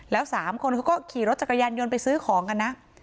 แล้ว๓คนเขาก็ขี่รถจักรยานยนต์ไปซื้อของกันนะ